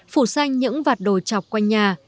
phủ xanh những vạt đồi chọc quanh nhà